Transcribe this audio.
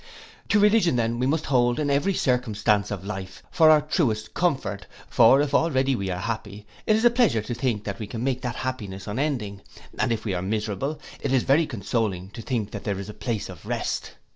To religion then we must hold in every circumstance of life for our truest comfort; for if already we are happy, it is a pleasure to think that we can make that happiness unending, and if we are miserable, it is very consoling to think that there is a place of rest.